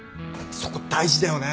そこ大事だよねぇ！